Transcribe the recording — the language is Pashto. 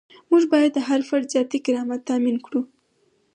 موږ باید د هر فرد ذاتي کرامت تامین کړو.